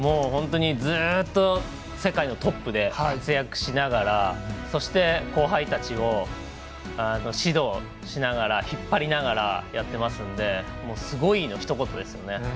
本当にずっと世界のトップで活躍しながらそして、後輩たちを指導しながら引っ張りながらやってますのですごいのひと言ですよね。